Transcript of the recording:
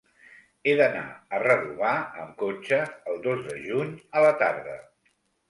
He d'anar a Redovà amb cotxe el dos de juny a la tarda.